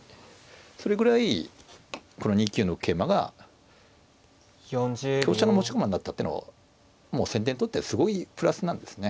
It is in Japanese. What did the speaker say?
それぐらいこの２九の桂馬が香車の持ち駒になったってのもう先手にとってはすごいプラスなんですね。